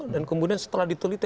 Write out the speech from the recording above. dan kemudian setelah diteliti